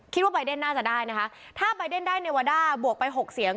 ใบเดนน่าจะได้นะคะถ้าใบเดนได้เนวาด้าบวกไปหกเสียง